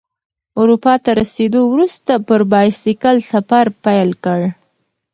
اروپا ته رسیدو وروسته پر بایسکل سفر پیل کړ.